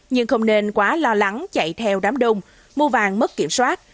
nhưng không nên quá lo lắng chạy theo đám đông mua vàng mất kiểm soát